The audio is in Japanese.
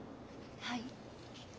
はい。